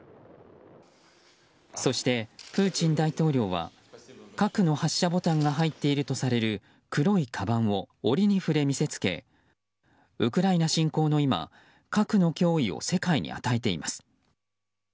そして、プーチン大統領は核の発射ボタンが入っているとされる黒いかばんを折に触れ、見せつけウクライナ侵攻の今核の脅威を世界に与えています。